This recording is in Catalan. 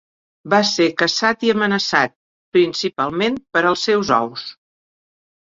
Va ser caçat i amenaçat, principalment per als seus ous.